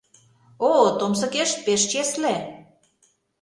— О, томсыкеш пеш чесле!